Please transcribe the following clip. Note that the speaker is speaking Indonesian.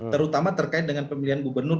terutama terkait dengan pemilihan gubernur